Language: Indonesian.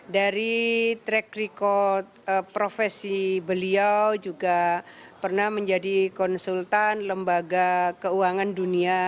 dari track record profesi beliau juga pernah menjadi konsultan lembaga keuangan dunia